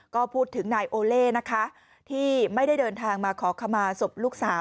ก็พูดถึงนายโอเล่นะคะที่ไม่ได้เดินทางมาขอขมาศพลูกสาว